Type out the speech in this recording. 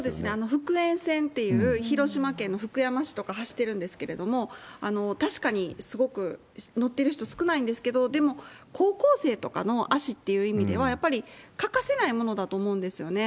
福塩線という、広島県の福山市とか走ってるんですけれども、確かにすごく乗ってる人少ないんですけど、でも、高校生とかの足っていう意味では、やっぱり欠かせないものだと思うんですよね。